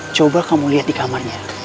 coba kamu lihat di kamarnya